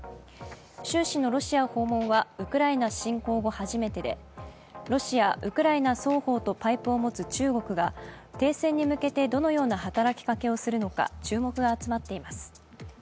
習氏のロシア訪問はウクライナ侵攻後初めてでロシア、ウクライナ双方とパイプを持つ中国が停戦に向けて、どのような働きかけをするのか注目が集まっています。